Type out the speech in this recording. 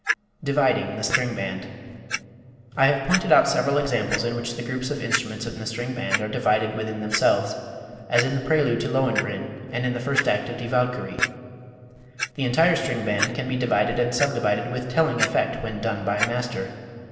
Dividing the String Band. I have pointed out several examples in which the groups of instruments in the string band are divided within themselves, as in the prelude to "Lohengrin" and in the first act of "Die Walküre." The entire string band can be divided and subdivided with telling effect, when done by a master.